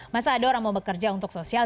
masa ada orang mau bekerja untuk sosial